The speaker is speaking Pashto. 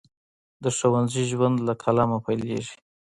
د ښوونځي ژوند له قلمه پیلیږي.